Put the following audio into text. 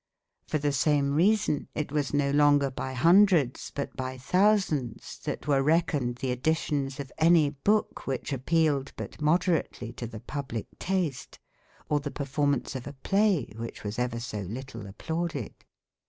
For the same reason it was no longer by hundreds but by thousands, that were reckoned the editions of any book, which appealed but moderately to the public taste, or the performance of a play which was ever so little applauded.